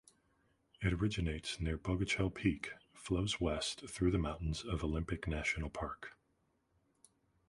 It originates near Bogachiel Peak, flows west through the mountains of Olympic National Park.